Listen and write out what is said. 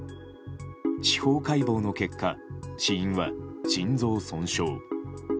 司法解剖の結果、死因は心臓損傷。